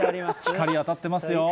光当たってますよ。